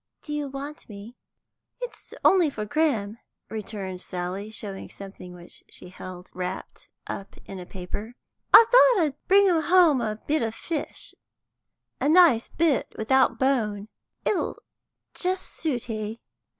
"Do you want me?" "It's only for Grim," returned Sally, showing something which she held wrapped up in paper. "I'd brought un home a bit o' fish, a nice bit without bone; it'll just suit he."